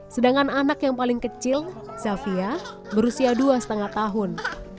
sedangkan anak yang paling kecil zafia berusia dua lima tahun